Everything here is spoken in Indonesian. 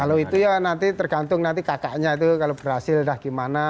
kalau itu ya nanti tergantung nanti kakaknya itu kalau berhasil dah gimana